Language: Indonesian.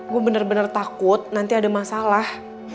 gue bener bener takut nanti ada masalah